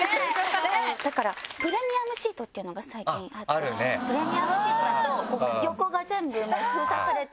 だからプレミアムシートっていうのが最近あってプレミアムシートだと横が全部封鎖されてて。